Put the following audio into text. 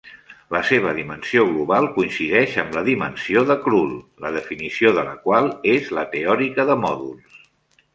La seva dimensió global coincideix amb la dimensió de Krull, la definició de la qual és la teòrica de mòduls.